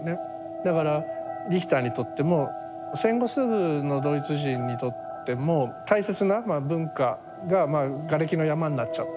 だからリヒターにとっても戦後すぐのドイツ人にとっても大切な文化ががれきの山になっちゃった。